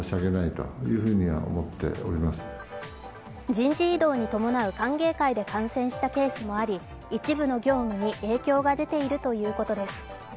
人事異動に伴う歓迎会で感染したケースもあり、一部の業務に影響が出ているということです。